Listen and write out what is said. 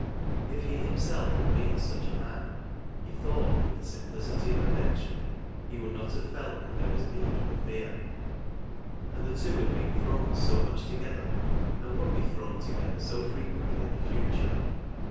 If he liimself had been such a man, he thought with tlie Bimplicitj' of affection, he would not have felt that there was need for fear. And the two had been thrown so much together and would be thrown together so frequently in the future.